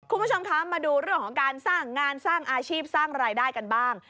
คุณผู้ชมคะมาดูเรื่องของการสร้างงานสร้างอาชีพสร้างรายได้กันบ้าง